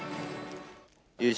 優勝